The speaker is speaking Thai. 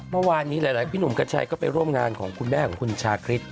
เมื่อวานนี้หลายพี่หนุ่มกัญชัยก็ไปร่วมงานของคุณแม่ของคุณชาคริส